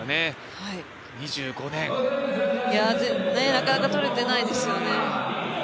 なかなかとれてないですよね。